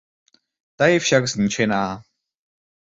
Ta je však zničená.